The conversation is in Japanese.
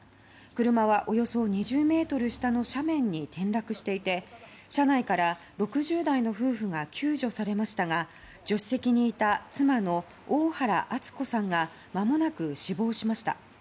車はおよそ２０ｍ下の斜面に転落していて車内から６０代の夫婦が救助されましたが助手席にいた妻の大原篤子さんがまもなく死亡しました。